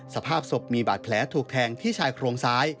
สภาพศพมีบาดแผลถูกแทงที่ชายโครงซ้าย